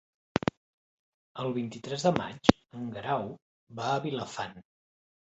El vint-i-tres de maig en Guerau va a Vilafant.